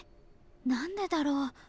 何でだろう？